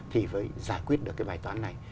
thì phải giải quyết được cái bài toán này